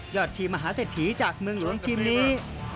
ทีมมหาเศรษฐีจากเมืองหลวงทีมนี้